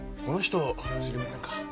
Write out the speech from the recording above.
この人知りませんか？